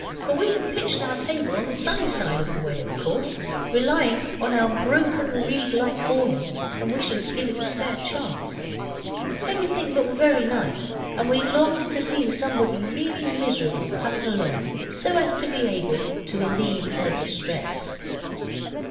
For we had pitched our table on the sunny side of the way, of course, relying on our broken reed like awning, and wishing to give it a fair chance. Everything looked very nice, and we longed to see somebody really miserable come along so as to be able to allieve their distress.